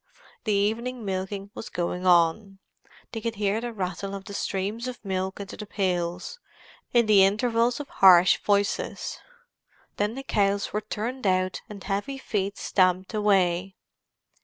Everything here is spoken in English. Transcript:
The evening milking was going on; they could hear the rattle of the streams of milk into the pails, in the intervals of harsh voices. Then the cows were turned out and heavy feet stamped away.